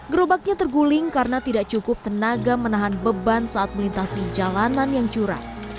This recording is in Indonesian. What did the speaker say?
gerobaknya terguling karena tidak cukup tenaga menahan beban saat melintasi jalanan yang curang